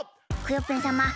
クヨッペンさま